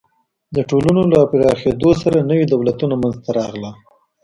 د ټولنو له پراخېدو سره نوي دولتونه منځ ته راغلل.